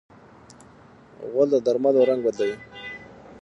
غول د درملو رنګ بدلوي.